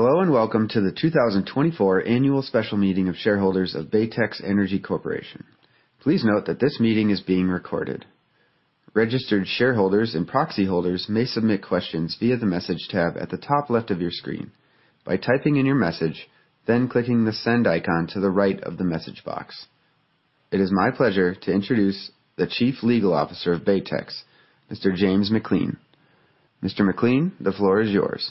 Hello, and welcome to the 2024 Annual Special Meeting of Shareholders of Baytex Energy Corp. Please note that this meeting is being recorded. Registered shareholders and proxy holders may submit questions via the Message tab at the top left of your screen by typing in your message, then clicking the Send icon to the right of the message box. It is my pleasure to introduce the Chief Legal Officer of Baytex, Mr. James MacLean. Mr. MacLean, the floor is yours.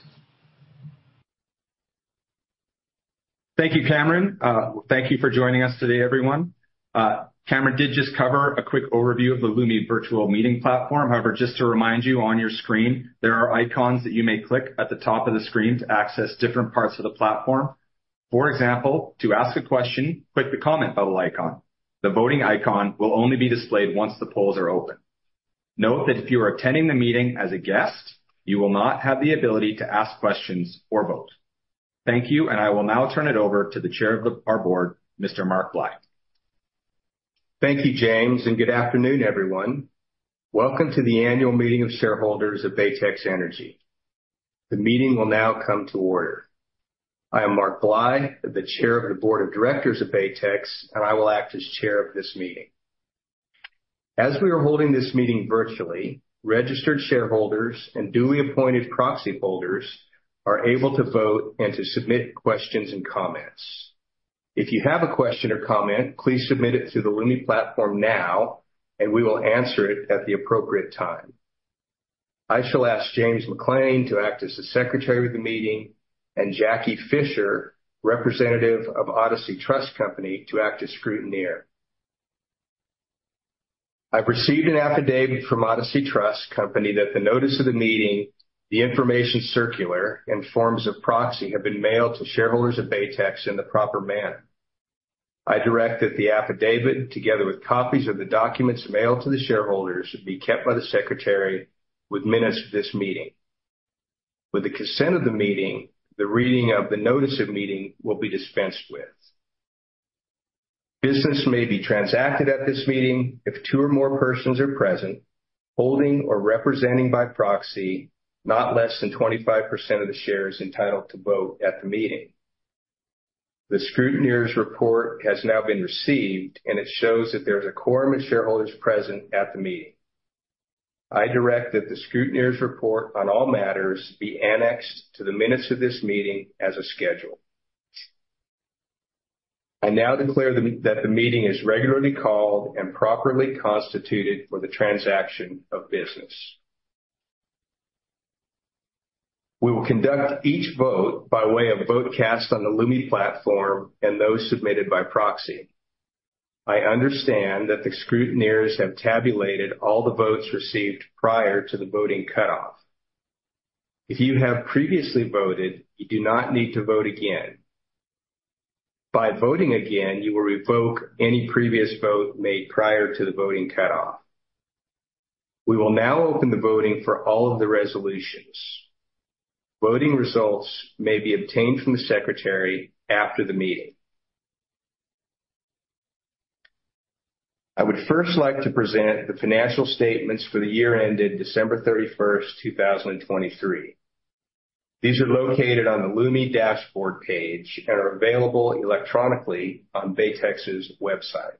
Thank you, Cameron. Thank you for joining us today, everyone. Cameron did just cover a quick overview of the Lumi Virtual Meeting platform. However, just to remind you, on your screen, there are icons that you may click at the top of the screen to access different parts of the platform. For example, to ask a question, click the comment bubble icon. The voting icon will only be displayed once the polls are open. Note that if you are attending the meeting as a guest, you will not have the ability to ask questions or vote. Thank you, and I will now turn it over to the chair of our board, Mr. Mark Bly. Thank you, James, and good afternoon, everyone. Welcome to the annual meeting of shareholders of Baytex Energy. The meeting will now come to order. I am Mark Bly, the chair of the Board of Directors of Baytex, and I will act as chair of this meeting. As we are holding this meeting virtually, registered shareholders and duly appointed proxy holders are able to vote and to submit questions and comments. If you have a question or comment, please submit it through the Lumi platform now, and we will answer it at the appropriate time. I shall ask James Maclean to act as the secretary of the meeting and Jackie Fisher, representative of Odyssey Trust Company, to act as scrutineer. I've received an affidavit from Odyssey Trust Company that the notice of the meeting, the information circular and forms of proxy, have been mailed to shareholders of Baytex in the proper manner. I direct that the affidavit, together with copies of the documents mailed to the shareholders, be kept by the secretary with minutes of this meeting. With the consent of the meeting, the reading of the notice of meeting will be dispensed with. Business may be transacted at this meeting if two or more persons are present, holding or representing by proxy, not less than 25% of the shares entitled to vote at the meeting. The scrutineer's report has now been received, and it shows that there's a quorum of shareholders present at the meeting. I direct that the scrutineer's report on all matters be annexed to the minutes of this meeting as a schedule. I now declare that the meeting is regularly called and properly constituted for the transaction of business. We will conduct each vote by way of vote cast on the Lumi platform and those submitted by proxy. I understand that the scrutineers have tabulated all the votes received prior to the voting cutoff. If you have previously voted, you do not need to vote again. By voting again, you will revoke any previous vote made prior to the voting cutoff. We will now open the voting for all of the resolutions. Voting results may be obtained from the secretary after the meeting. I would first like to present the financial statements for the year ended December 31, 2023. These are located on the Lumi dashboard page and are available electronically on Baytex's website.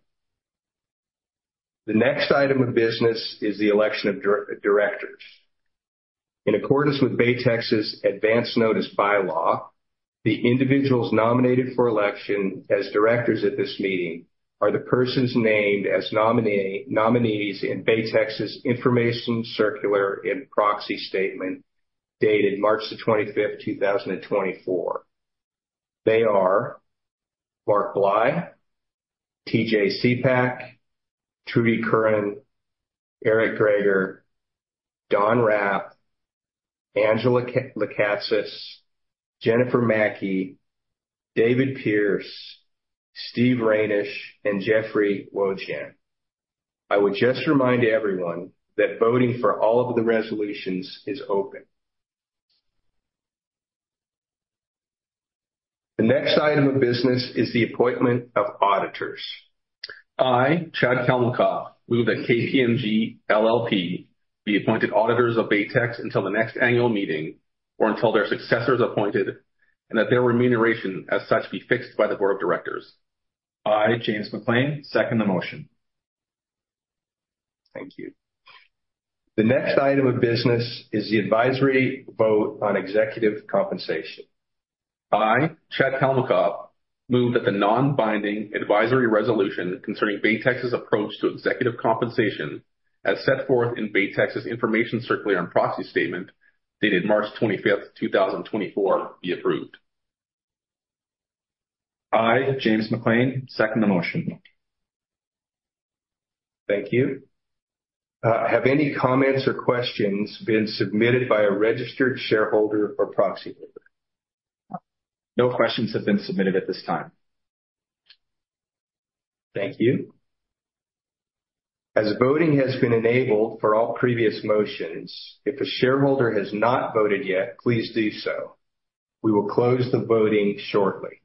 The next item of business is the election of directors. In accordance with Baytex's advance notice bylaw, the individuals nominated for election as directors at this meeting are the persons named as nominees in Baytex's information circular and proxy statement, dated March 25, 2024. They are Mark Bly, TJ Thom Cepak, Trudy Curran, Eric Greager, Don Hrap, Angela Lekatsas, Jennifer Maki, David Pearce, Steve Reynish, and Jeffrey Wojahn. I would just remind everyone that voting for all of the resolutions is open. The next item of business is the appointment of auditors. I, Chad Kalmakoff, move that KPMG LLP be appointed auditors of Baytex until the next annual meeting or until their successors appointed, and that their remuneration as such be fixed by the board of directors. I, James Maclean, second the motion. Thank you. The next item of business is the advisory vote on executive compensation. I, Chad Kalmakoff, move that the non-binding advisory resolution concerning Baytex's approach to executive compensation, as set forth in Baytex's information circular and proxy statement, dated March twenty-fifth, two thousand and twenty-four, be approved. I, James Maclean, second the motion. Thank you. Have any comments or questions been submitted by a registered shareholder or proxy holder? No questions have been submitted at this time. Thank you. As voting has been enabled for all previous motions, if a shareholder has not voted yet, please do so. We will close the voting shortly.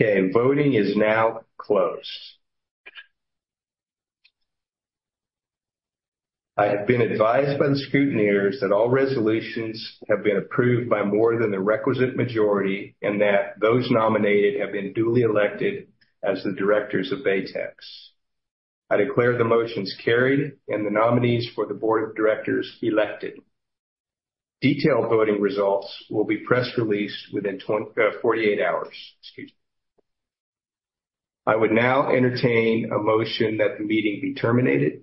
Okay, voting is now closed. I have been advised by the scrutineers that all resolutions have been approved by more than the requisite majority and that those nominated have been duly elected as the directors of Baytex. I declare the motions carried and the nominees for the board of directors elected. Detailed voting results will be press released within 48 hours. Excuse me. I would now entertain a motion that the meeting be terminated.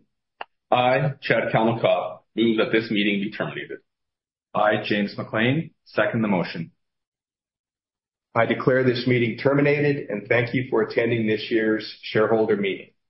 I, Chad Kalmakoff, move that this meeting be terminated. I, James Maclean, second the motion. I declare this meeting terminated, and thank you for attending this year's shareholder meeting.